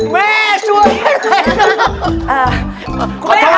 ม่าช่วยทางไรนะ